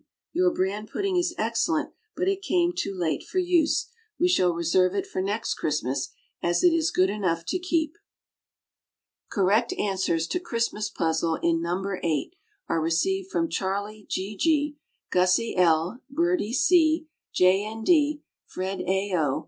Your "Bran Pudding" is excellent, but it came too late for use. We shall reserve it for next Christmas, as it is good enough to keep. Correct answers to Christmas Puzzle in No. 8 are received from Charlie G. G., Gussie L., Birdie C., J. N. D., Fred A. O.